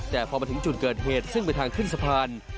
แต่พบรถถึงจุดเกิดเหตุซึ่งไปทางเทาะสะพาน